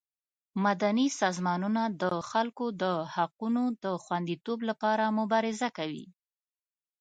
مدني سازمانونه د خلکو د حقونو د خوندیتوب لپاره مبارزه کوي.